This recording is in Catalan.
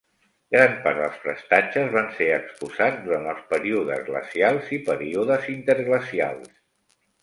Gran part dels prestatges van ser exposats durant els períodes glacials i períodes interglacials.